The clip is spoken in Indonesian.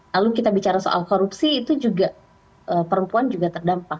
lalu kita bicara soal korupsi itu juga perempuan juga terdampak